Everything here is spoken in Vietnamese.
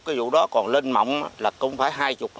cái vụ đó còn lên mỏng là cũng phải hai mươi hai trăm linh